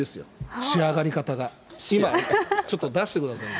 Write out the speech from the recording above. ちょっと出してくださいよ。